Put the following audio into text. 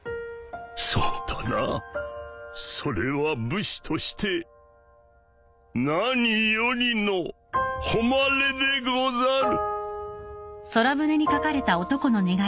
そうだなそれは武士として何よりの誉れでござる